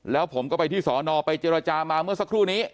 แล้วผมก็ไปที่สอนอไปเจรจามาเมื่อสักครู่นี้